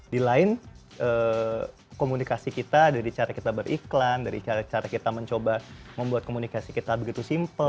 di lain komunikasi kita dari cara kita beriklan dari cara kita mencoba membuat komunikasi kita begitu simpel